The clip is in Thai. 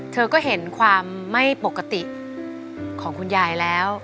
เธอก็เห็นความไม่ปกติของคุณยายแล้ว